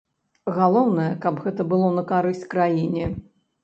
Галоўнае, каб гэта было на карысць краіне.